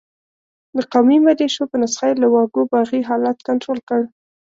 د قومي ملېشو په نسخه یې له واګو باغي حالت کنترول کړ.